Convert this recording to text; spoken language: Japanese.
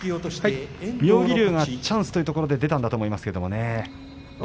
妙義龍がチャンスというところで出たんだと思いますけれどね。